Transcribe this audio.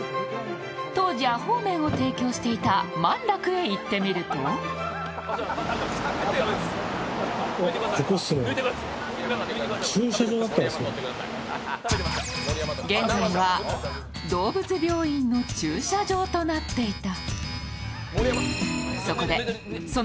当時、アホーメンを提供していた萬楽へ行ってみると現在は動物病院の駐車場となっていた。